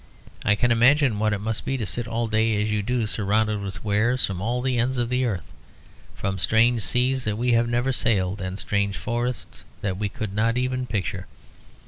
I can imagine what it must be to sit all day as you do surrounded with wares from all the ends of the earth, from strange seas that we have never sailed and strange forests that we could not even picture.